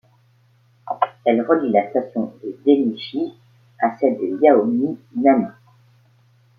Elle relie la station de Dainichi à celle de Yaominami.